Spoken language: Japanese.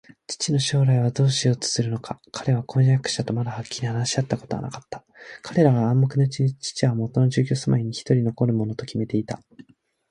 父の将来をどうしようとするのか、彼は婚約者とまだはっきり話し合ったことはなかった。彼らは暗黙のうちに、父はもとの住居すまいにひとり残るものときめていた